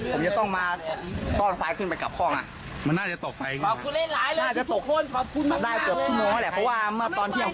คราบคลัวเลย